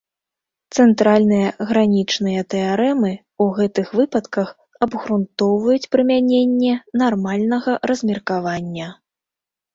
Цэнтральныя гранічныя тэарэмы ў гэтых выпадках абгрунтоўваюць прымяненне нармальнага размеркавання.